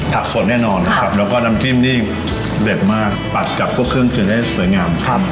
สดแน่นอนนะครับแล้วก็น้ำจิ้มนี่เด็ดมากปัดกับพวกเครื่องเคียงได้สวยงามครับ